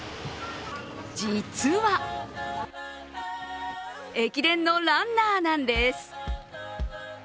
実は駅伝のランナーなんです。